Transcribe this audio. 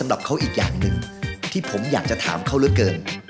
กับเขาอีกอย่างหนึ่งที่ผมอยากจะถามเขาเหลือเกิน